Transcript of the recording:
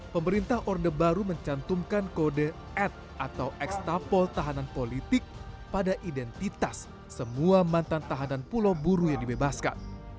pemerintah orde baru mencantumkan kode et atau ekstapol tahanan politik pada identitas semua mantan tahanan pulau buru yang dibebaskan